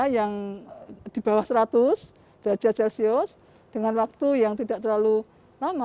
yang di bawah seratus derajat celcius dengan waktu yang tidak terlalu lama